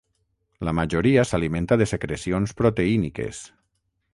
La majoria s'alimenta de secrecions proteíniques.